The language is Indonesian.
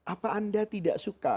apa anda tidak suka